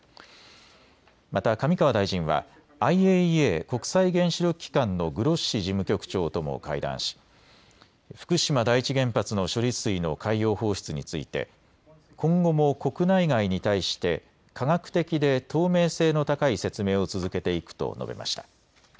また上川大臣はＩＡＥＡ・国際原子力機関のグロッシ事務局長とも会談し、福島第一原発の処理水の海洋放出について今後も国内外に対して科学的で透明性の高い説明を続けていくと述べました。